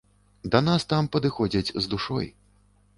Да нас там падыходзяць з душой.